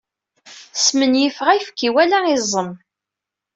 Smenyafeɣ ayefki wala iẓem.